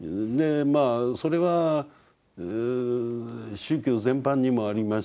それは宗教全般にもあります